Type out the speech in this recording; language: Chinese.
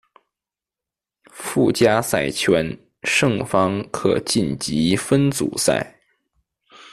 附加赛圈胜方可晋级分组赛。